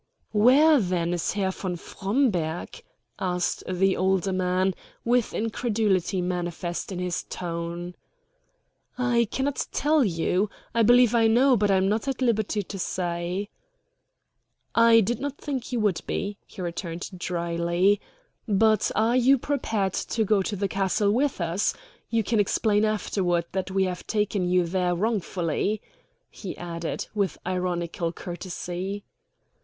"Where, then, is Herr von Fromberg?" asked the older man, with incredulity manifest in his tone. "I cannot tell you. I believe I know, but I am not at liberty to say." "I did not think you would be," he returned dryly. "But are you prepared to go to the castle with us? You can explain afterward that we have taken you there wrongfully," he added, with ironical courtesy.